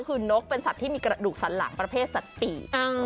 คือนกเป็นสัตว์ที่มีกระดูกสันหลังประเภทสัตว์ปี